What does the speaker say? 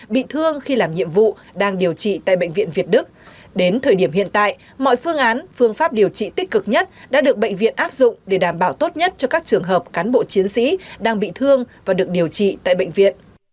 bị thương khi làm nhiệm vụ đang điều trị tại bệnh viện việt đức đến thời điểm hiện tại mọi phương án phương pháp điều trị tích cực nhất đã được bệnh viện áp dụng để đảm bảo tốt nhất cho các trường hợp cán bộ chiến sĩ đang bị thương và được điều trị tại bệnh viện